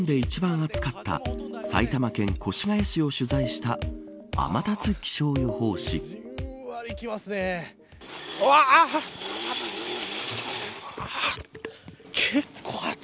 昨日日本で一番暑かった埼玉県越谷市を取材した天達気象予報士は。